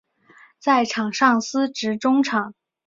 在场上司职中场。